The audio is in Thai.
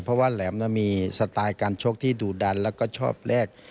เพราะว่าแหลมมีสไตล์การชกที่ดูดันแล้วก็ชอบแลก